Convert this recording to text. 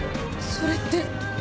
それって。